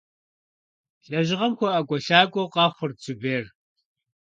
Лэжьыгъэм хуэIэкIуэлъакIуэу къэхъурт Зубер.